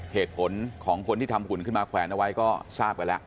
เหตุผลของคนที่ทำหุ่นขึ้นมาแขวนเอาไว้ก็ทราบกันแล้ว